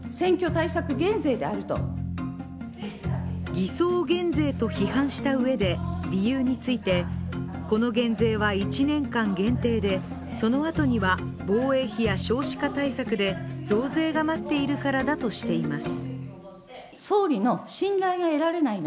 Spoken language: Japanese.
偽装減税と批判したうえで、理由についてこの減税は１年間限定で、そのあとには防衛費や少子化対策で増税が待っているからだとしています。